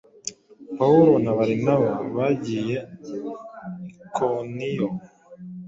Pawulo na Barinaba bagiye Ikoniyo.